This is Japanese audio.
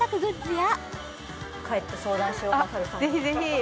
や